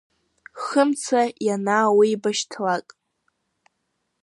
Хымца ианаауибашьҭлак.